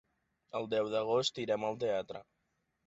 El deu d'agost irem al teatre.